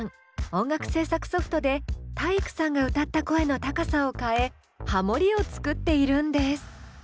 音楽制作ソフトで体育さんが歌った声の高さを変えハモリを作っているんです。